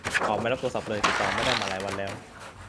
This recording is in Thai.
เขาไม่รับโทรศัพท์เลย ติดต่อไม่ได้มาหลายวันแล้ว